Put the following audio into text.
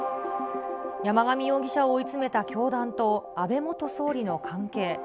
山上容疑者を追い詰めた教団と、安倍元総理の関係。